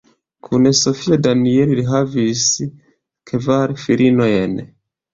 Kun Sofio Daniel li havis kvar filinojn.